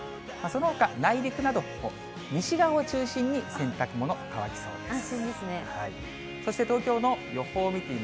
そのほか内陸など、西側を中心に洗濯物、乾きそうです。